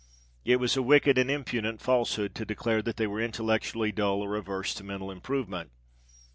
It was a wicked and impudent falsehood to declare that they were intellectually dull or averse to mental improvement.